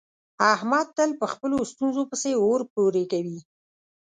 احمد تل په خپلو ستونزو پسې اور پورې کوي.